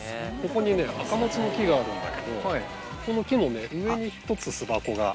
ここにねアカマツの木があるんだけどこの木の上に１つ巣箱が。